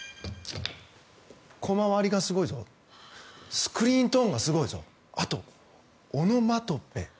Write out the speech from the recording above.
コマ割りがすごいぞスクリーントーンがすごいぞあと、オノマトペ。